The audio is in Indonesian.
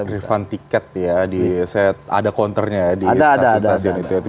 revamp tiket ya di set ada konternya ya di stasiun stasiun itu